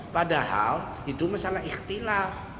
padahal itu masalah ikhtilaf